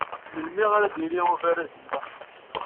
Melmi ara d-yili ubaraz-nni?